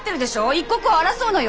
一刻を争うのよ？